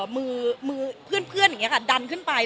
มือเพื่อนก็ดันขึ้นไป